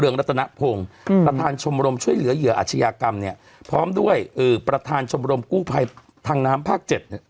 รัตนพงศ์ประธานชมรมช่วยเหลือเหยื่ออาชญากรรมเนี่ยพร้อมด้วยประธานชมรมกู้ภัยทางน้ำภาค๗เนี่ย